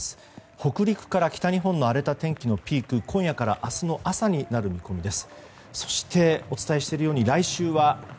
北陸から北日本の荒れた天気のピークは今夜から明日の朝になる見込みです。